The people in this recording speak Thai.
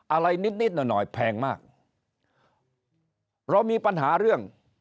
อะไรนิดนิดหน่อยหน่อยแพงมากเรามีปัญหาเรื่อง